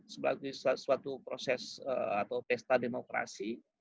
sebagai suatu proses atau pesta demokrasi